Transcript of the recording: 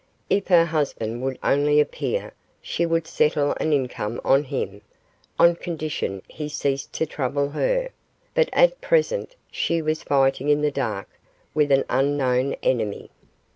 If her husband would only appear, she would settle an income on him, on condition he ceased to trouble her, but at present she was fighting in the dark with an unknown enemy.